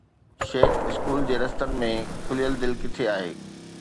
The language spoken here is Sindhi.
شيخ اسڪول جي رستن ۾ کليل دل ڪٿي آهي؟